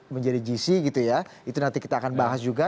menjadi gc gitu ya itu nanti kita akan bahas juga